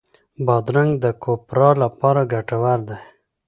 بادرنګ د کوپرا لپاره ګټور دی.